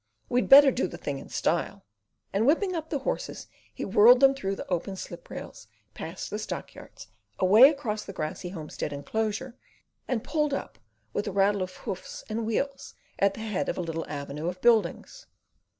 "We'd better do the thing in style," and whipping up the horses, he whirled them through the open slip rails, past the stockyards, away across the grassy homestead enclosure, and pulled up with a rattle of hoofs and wheels at the head of a little avenue of buildings.